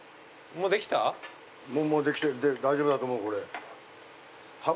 もうできてる大丈夫だと思うこれ。